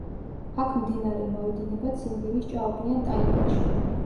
აქ მდინარე მოედინება ციმბირის ჭაობიან ტაიგაში.